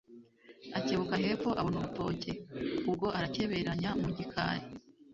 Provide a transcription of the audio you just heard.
Akebuka hepfo abona urutoke, Ubwo arakeberanya mu gikari,